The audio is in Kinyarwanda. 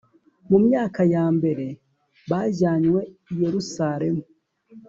Mu myaka ya mbere bajyanywe I yerusaremu